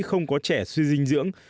không có trẻ suy dinh dưỡng